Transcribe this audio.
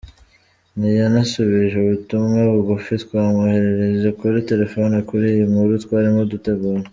Ntiyanasubije ubutumwa bugufi twamwoherereje kuri telephone kuri iyi nkuru twarimo dutegura.